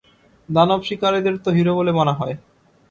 দানব শিকারীদের তো হিরো বলে মানা হয়।